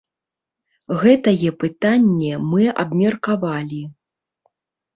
Гэтае пытанне мы абмеркавалі.